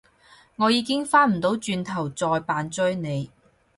我已經返唔到轉頭再扮追你